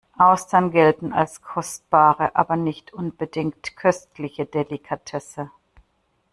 Austern gelten als kostbare aber nicht unbedingt köstliche Delikatesse.